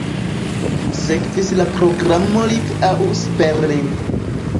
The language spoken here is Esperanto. Sekvis la programo "Live aus Berlin".